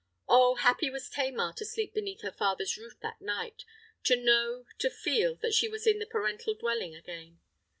Oh! happy was Tamar to sleep beneath her father's roof that night—to know, to feel that she was in the parental dwelling again!